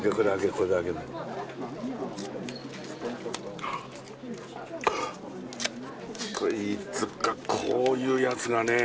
これいつかこういうやつがね。